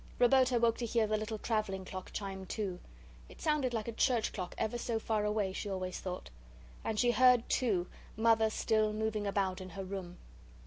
Roberta woke to hear the little travelling clock chime two. It sounded like a church clock ever so far away, she always thought. And she heard, too, Mother still moving about in her room.